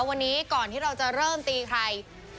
วันนี้ก่อนที่เราจะเริ่มตีใคร